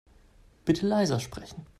Bitte leiser sprechen.